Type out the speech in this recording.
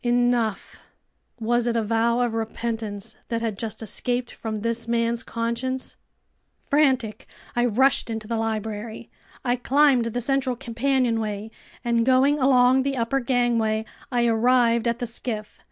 Enough!" Was it a vow of repentance that had just escaped from this man's conscience ...? Frantic, I rushed into the library. I climbed the central companionway, and going along the upper gangway, I arrived at the skiff.